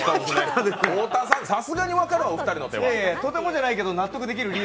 さすがに分かるわ、２人の手は。